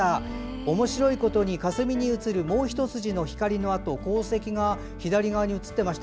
おもしろいことにかすみに写るもう一筋の光跡光の跡が左側に写ってました。